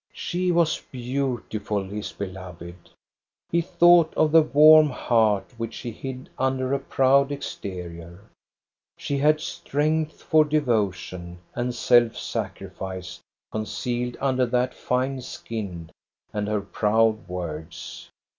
She was beautiful, his beloved ! He thought of the warm heart which she hid under a proud exterior. She had strength for devotion and self sacrifice concealed under that fine skin and her proud words.